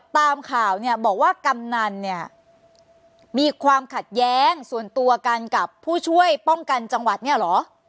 ตามข่าวเนี่ยบอกว่ากำนันเนี่ยมีความขัดแย้งส่วนตัวกันกับผู้ช่วยป้องกันจังหวัดเนี่ยเหรอ